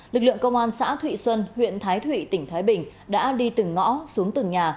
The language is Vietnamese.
lực lượng công an xã thụy xuân huyện thái thụy tỉnh thái bình đã đi từng ngõ xuống từng nhà